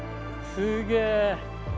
すげえ！